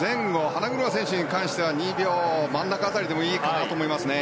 花車選手に関しては２秒真ん中あたりでもいいかなと思いますね。